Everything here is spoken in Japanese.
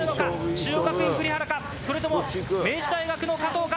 中央学院、栗原かそれとも明治大学の加藤か。